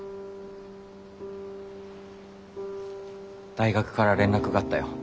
大学から連絡があったよ。